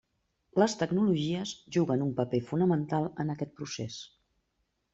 Les tecnologies juguen un paper fonamental en aquest procés.